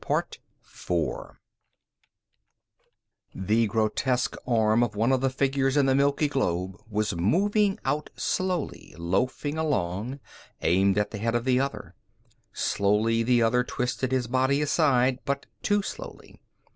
The grotesque arm of one of the figures in the milky globe was moving out slowly, loafing along, aimed at the head of the other. Slowly the other twisted his body aside, but too slowly.